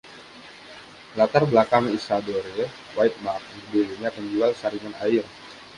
Latar belakang Isadore Witmark dulunya penjual saringan air.